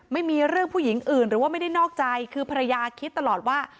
ไม่มีเรื่องผู้หญิงอื่นหรือว่าไม่ได้นอกใจคือภรรยาคิดตลอดว่า